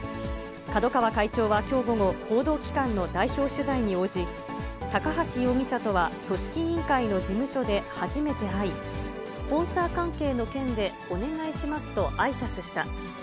角川会長はきょう午後、報道機関の代表取材に応じ、高橋容疑者とは組織委員会の事務所で、初めて会い、スポンサー関係の件でお願いしますとあいさつした。